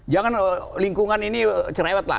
jangan lingkungan ini cerewet lah